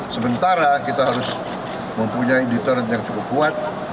sementara kita harus mempunyai deterent yang cukup kuat